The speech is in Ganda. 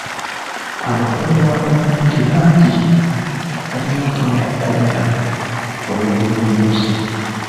Abakungu ba gavumenti bangi balina okuba mu kkomera olw'obuli bw'enguzi.